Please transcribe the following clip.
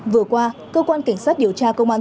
vừa qua cơ quan cảnh sát điều tra công an